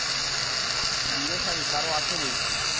ডুরে শাড়ি তারও আছে বৈকি।